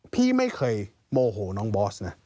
พี่ไม่เคยโมโหน้องบอสนะ